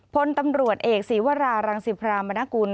พลตำรวจเอกศีวรารังสิพรามนกุล